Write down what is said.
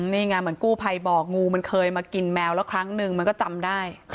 นี่ไงเหมือนกู้ภัยบอกงูมันเคยมากินแมวแล้วครั้งนึงมันก็จำได้